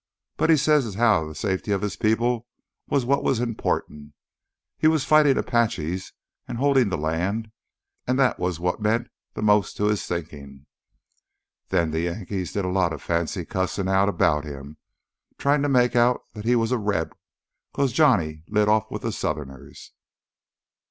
But he said as how th' safety of his people was what was important. He was fightin' Apaches an' holdin' th' land, an' that was what meant th' most to his thinkin'. Then the Yankees did a lot of fancy cussin' out 'bout him, trying to make out that he was a Reb' cause Johnny lit off with th' Southerners.